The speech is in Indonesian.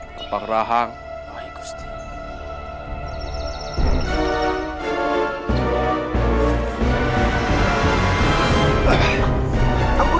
benar kau tidak mendengar